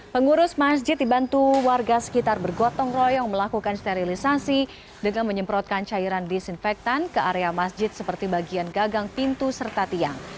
pengurus masjid dibantu warga sekitar bergotong royong melakukan sterilisasi dengan menyemprotkan cairan disinfektan ke area masjid seperti bagian gagang pintu serta tiang